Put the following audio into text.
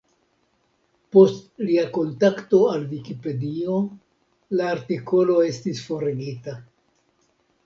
Post lia kontakto al Vikipedio, la artikolo estis forigita.